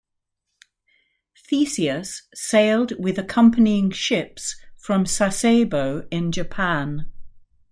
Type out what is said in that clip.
"Theseus" sailed with accompanying ships from Sasebo in Japan.